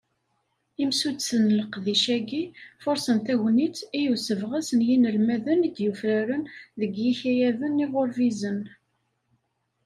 Imsuddsen n leqdic-agi, furṣen tagnit, i usebɣes n yinelmaden i d-yufraren deg yikayaden iɣurbizen.